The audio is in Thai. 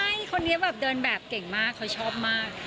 ใช่คนนี้แบบเดินแบบเก่งมากเขาชอบมาก